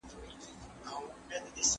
خلک په ټولنه کې بېلابېل رفتارونه کوي.